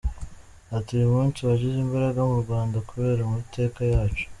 Ati “Uyu munsi wagize imbaraga mu Rwanda kubera amateka yacu.